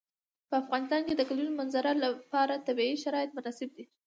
په افغانستان کې د د کلیزو منظره لپاره طبیعي شرایط مناسب دي.